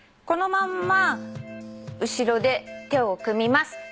このまんま後ろで手を組みます。